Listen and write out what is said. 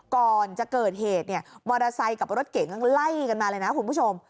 ก่อนจะเกิดเหตุเนี่ยมอเตอร์ไซค์กับรถเก๋งไล่กันมาเลยนะคุณผู้ชม